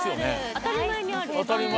当たり前にある。